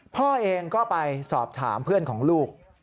พ่อเองก็ไปสอบถามเพื่อนของลูก